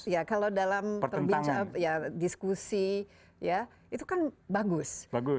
ya kalau dalam diskusi ya itu kan bagus